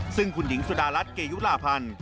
ซึ่งคุณหญิงสุดารัฐเกยุลาพันธ์